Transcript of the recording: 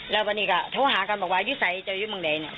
แล้ววันนี้ก็โทรหากันบอกว่าอยู่ใสจะอยู่เมืองไหนเนี่ย